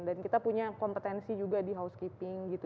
dan kita punya kompetensi juga di housekeeping gitu